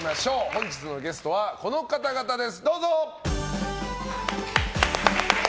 本日のゲストはこの方々です。